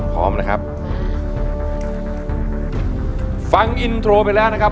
พร้อมนะครับฟังอินโทรไปแล้วนะครับ